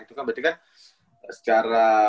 itu kan berarti kan secara